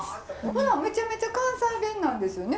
ほなめちゃめちゃ関西弁なんですよね